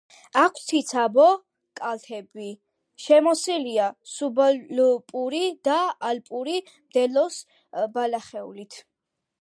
აქვს ციცაბო კალთები, შემოსილია სუბალპური და ალპური მდელოს ბალახეულით.